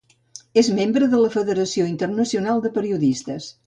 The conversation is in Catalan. És membre de la Federació Internacional de Periodistes.